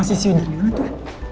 masih swisi dimana tuh